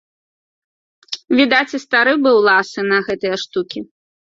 Відаць, і стары быў ласы на гэткія штукі.